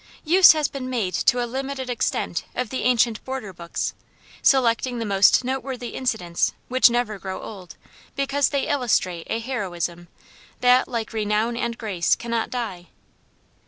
Use has been made to a limited extent of the ancient border books, selecting the most note worthy incidents which never grow old because they illustrate a heroism, that like "renown and grace cannot die."